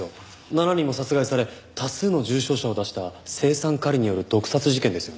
７人も殺害され多数の重症者を出した青酸カリによる毒殺事件ですよね。